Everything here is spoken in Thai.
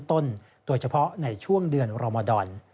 โดยเฉพาะในช่วงเดือนรมดอน